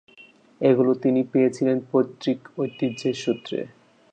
এগুলো তিনি পেয়েছিলেন পৈতৃক ঐতিহ্যের সূত্রে।